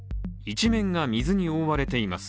一面が水に覆われています。